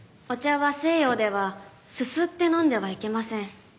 お茶は西洋ではすすって飲んではいけません。